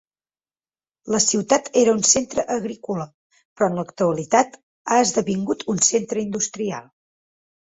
La ciutat era un centre agrícola, però en l'actualitat ha esdevingut un centre industrial.